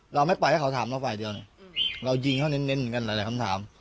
เราไม่ปล่อยให้เขาถามเราไปเดียวน่ะอืมเรายิงเขาเน้นเน้นกันหลายหลายคำถาม